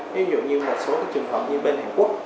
ví dụ như một số trường hợp như bên hàn quốc